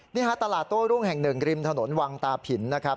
นี่ฮะตลาดโต้รุ่งแห่งหนึ่งริมถนนวังตาผินนะครับ